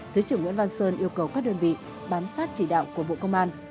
thứ trưởng nguyễn văn sơn yêu cầu các đơn vị bám sát chỉ đạo của bộ công an